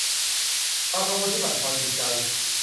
ความกังวลที่บั่นทอนจิตใจ